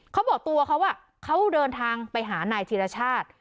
เขาบอกตัวเขาเขาเดินทางไปหานายธีรชาติ